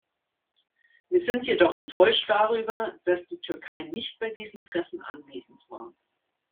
Wir sind jedoch enttäuscht darüber, dass die Türkei nicht bei diesem Treffen anwesend war.